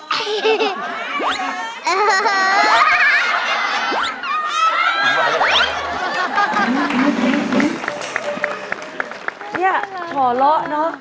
ชอบเฮียฉอเล่าเนอะ